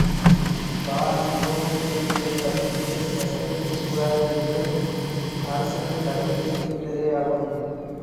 காரணம், பூகம்பச் செய்திகளைப் பத்திரிக்கைகள் பிரசுரிக்கக் கூடாது என்று அரசு தடைவிதித்துவிட்டதேயாகும்.